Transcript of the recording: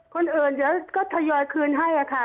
คนอื่นก็ทยอยคืนให้ค่ะ